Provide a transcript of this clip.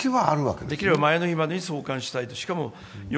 できれば前の日までに何とかしようと。